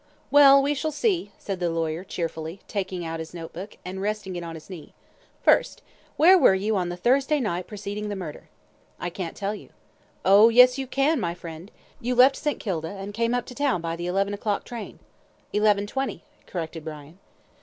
"Well, we shall see," said the lawyer, cheerfully, taking out his note book, and resting it on his knee. "First, where were you on the Thursday night preceding the murder?" "I can't tell you." "Oh, yes, you can, my friend. You left St. Kilda, and came up to town by the eleven o'clock train." "Eleven twenty," corrected Brian.